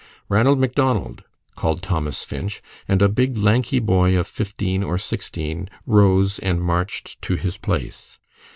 "Ranald Macdonald!" called Thomas Finch, and a big, lanky boy of fifteen or sixteen rose and marched to his place.